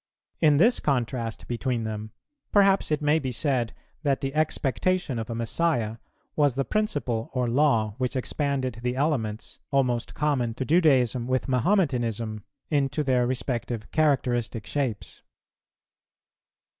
In this contrast between them, perhaps it may be said that the expectation of a Messiah was the principle or law which expanded the elements, almost common to Judaism with Mahometanism, into their respective characteristic shapes.